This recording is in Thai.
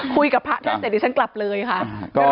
คุยกับพระท่านเสร็จดิฉันกลับเลยค่ะ